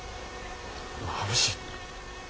まぶしい。